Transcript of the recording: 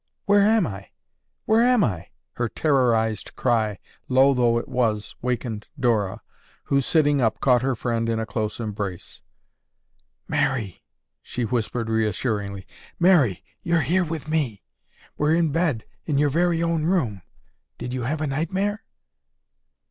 "Where am I? Where am I?" her terrorized cry, low though it was, wakened Dora, who, sitting up, caught her friend in a close embrace. "Mary," she whispered reassuringly, "Mary, you're here with me. We're in bed in your very own room. Did you have a nightmare?"